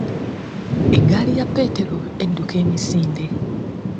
Eggaali ya Peetero edduka emisinde.